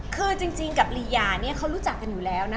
คือจริงกับลียาเนี่ยเขารู้จักกันอยู่แล้วนะ